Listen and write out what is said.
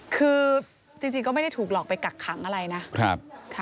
คือจริงก็ไม่ได้ถูกหลอกไปกักขังอะไรนะ